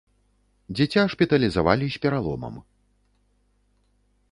Дзіця шпіталізавалі з пераломам.